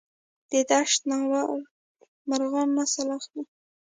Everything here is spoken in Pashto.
د دشت ناور مرغان نسل اخلي؟